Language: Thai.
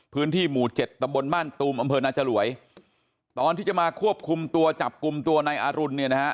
พื้นที่หมู่๗ตำบลบ้านตูมอนจรวยตอนที่จะมาควบคุมตัวจับกุมตัวนายอารุณ